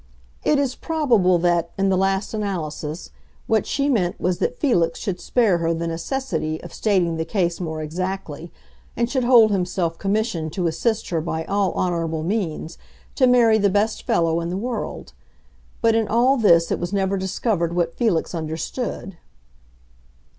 It is probable that, in the last analysis, what she meant was that Felix should spare her the necessity of stating the case more exactly and should hold himself commissioned to assist her by all honorable means to marry the best fellow in the world. But in all this it was never discovered what Felix understood.